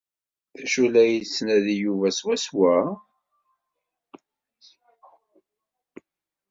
D acu ay la yettnadi Yuba swaswa?